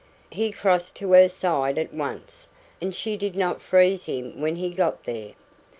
He crossed to her side at once, and she did not freeze him when he got there.